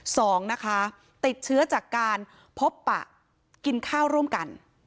สองนะคะติดเชื้อจากการพบปะกินข้าวร่วมกัน